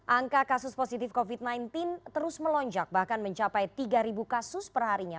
angka kasus positif covid sembilan belas terus melonjak bahkan mencapai tiga kasus perharinya